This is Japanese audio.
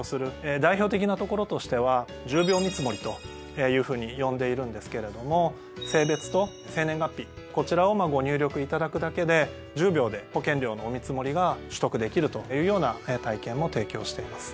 代表的なところとしては１０秒見積もりというふうに呼んでいるんですけれども性別と生年月日こちらをご入力いただくだけで１０秒で保険料のお見積もりが取得できるというような体験も提供しています。